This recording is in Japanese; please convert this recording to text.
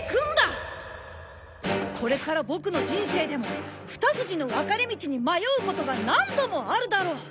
これからボクの人生でも二筋の分かれ道に迷うことが何度もあるだろう。